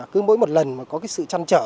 cứ mỗi một lần có sự chăn trở